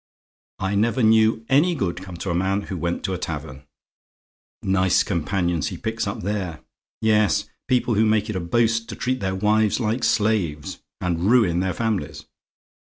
"I never knew any good come to a man who went to a tavern. Nice companions he picks up there! Yes! people who make it a boast to treat their wives like slaves, and ruin their families.